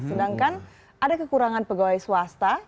sedangkan ada kekurangan pegawai swasta